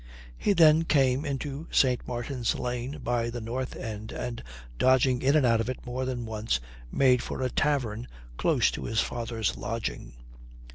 He then came into St. Martin's Lane by the north end, and dodging in and out of it more than once, made for a tavern close to his father's lodging.